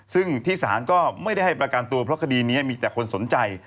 ซึ่งที่ศาลก็ไม่ได้ให้ประกันตัวเพราะคดีนี้มีแต่คนสนใจ